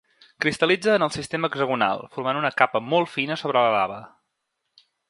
Cristal·litza en el sistema hexagonal, formant una capa molt fina sobre la lava.